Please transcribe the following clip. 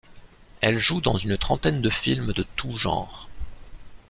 Elle joue dans une trentaine de films de tous les genres.